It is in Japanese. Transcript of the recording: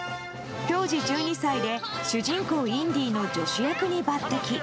当時１２歳で主人公インディの助手役に抜擢。